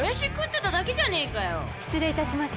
失礼いたします。